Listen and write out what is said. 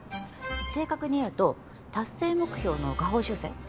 正確に言うと達成目標の下方修正。